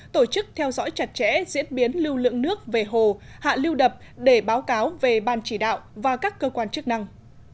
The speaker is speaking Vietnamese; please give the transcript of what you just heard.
tổ chức theo dõi chặt chẽ diễn biến lưu lượng nước về hồ hạ lưu đập để báo cáo về ban chỉ đạo và các cơ quan chức năng